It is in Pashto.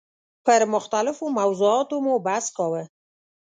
پر مختلفو موضوعاتو مو بحث کاوه.